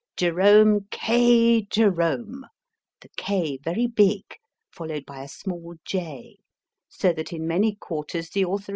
Jerome K. Jerome the K very big, followed by a small J, so that in many quarters the author v